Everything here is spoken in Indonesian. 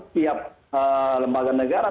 setiap lembaga negara